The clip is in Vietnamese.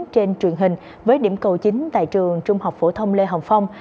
trên truyền hình với điểm cầu chính tại trường trung học phổ thông lê hồng phong